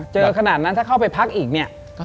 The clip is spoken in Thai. ขนาดนั้นถ้าเข้าไปพักอีกเนี่ย